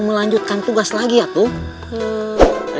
melanjutkan tugas lagi ya tuh